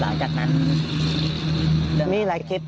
แล้วหลายจากนั้น